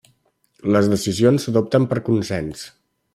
Les decisions s'adopten per consens.